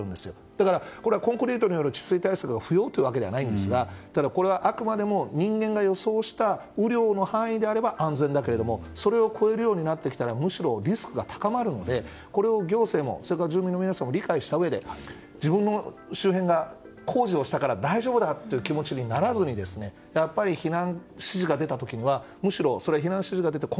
だから、コンクリートによる治水対策が不要ってわけではないんですがあくまでも人間が予想した雨量の範囲なら安全だけどそれを超えるようになってきたらむしろリスクが高まるのでこれを行政もそれから住民の皆さんも理解したうえで、自分の周辺は工事をしたから大丈夫だという気持ちにならずに「キュレル」一気に真夏日。